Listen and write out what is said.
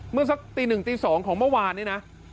เมื่อสักตี๑ตี๒ของเมื่อวานนี้นะ